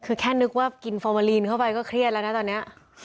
คือแค่นึกว่ากินฟอร์มาลีนเข้าไปก็เครียดแล้วนะตอนนี้